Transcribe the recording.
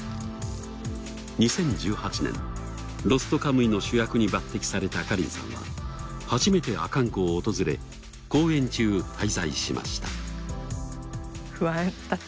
２０１８年『ロストカムイ』の主役に抜てきされたＫＡＲＩＮさんは初めて阿寒湖を訪れ公演中滞在しました。